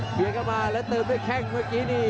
เผื่อกลับมาแล้วเติมด้วยแค่งเมื่อกี้นี่